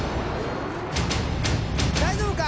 大丈夫か？